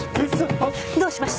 どうしました？